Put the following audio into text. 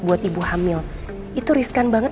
buat ibu hamil itu riskan banget